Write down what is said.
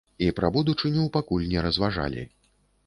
І пра будучыню пакуль не разважалі.